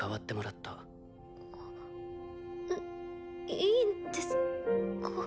いいいんですか？